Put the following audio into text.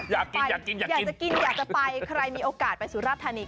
อยากจะกินอยากจะไปใครมีโอกาสไปสุราธานี